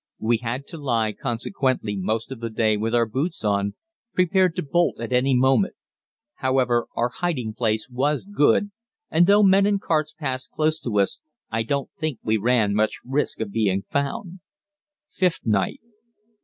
We had to lie consequently most of the day with our boots on, prepared to bolt at any moment. However, our hiding place was good, and though men and carts passed close to us, I don't think we ran much risk of being found. _Fifth Night.